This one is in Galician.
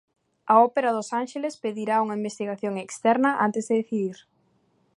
A Ópera dos Ánxeles pedirá unha investigación externa antes de decidir.